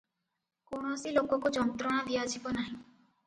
କୌଣସି ଲୋକକୁ ଯନ୍ତ୍ରଣା ଦିଆଯିବ ନାହିଁ ।